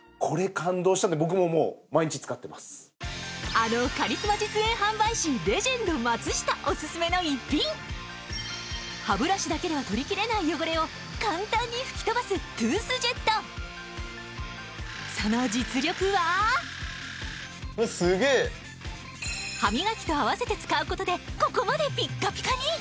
最高峰クラスの鑑定機関ＧＩＡが認めた逸品あのおすすめの逸品歯ブラシだけでは取りきれない汚れを簡単に吹き飛ばすトゥースジェットその実力は歯磨きと合わせて使うことでここまでピッカピカに！